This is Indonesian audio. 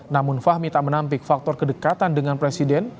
namun fahmi tak menampik faktor kedekatan dengan presiden